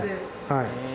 はい。